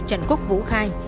vì trần quốc vũ khai